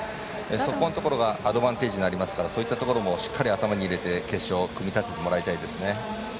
そこのところがアドバンテージになりますのでそういったところもしっかり頭に入れて決勝組み立ててもらいたいですね。